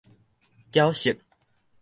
攪色